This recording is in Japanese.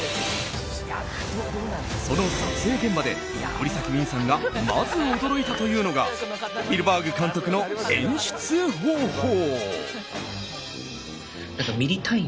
その撮影現場で森崎ウィンさんがまず驚いたというのがスピルバーグ監督の演出方法。